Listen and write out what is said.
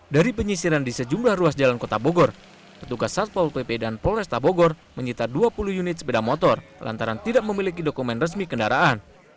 dari penyisiran di sejumlah ruas jalan kota bogor petugas satpol pp dan polresta bogor menyita dua puluh unit sepeda motor lantaran tidak memiliki dokumen resmi kendaraan